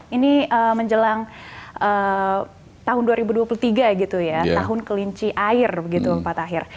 ini menjelang tahun dua ribu dua puluh tiga tahun kelinci air pak tahir